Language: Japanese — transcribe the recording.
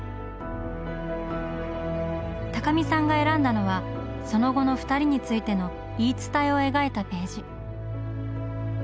高見さんが選んだのはその後の二人についての言い伝えを描いたページ。